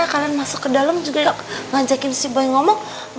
kalian masuk ke dalam juga yuk ngajakin si bayi ngomong